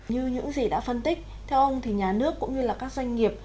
như những gì đã phân tích theo ông thì nhà nước cũng như các doanh nghiệp